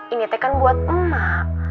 ini teh kan buat emak